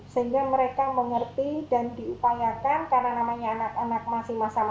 sehingga mereka mengerti dan diupayakan karena namanya anak anak masih masa masa bermain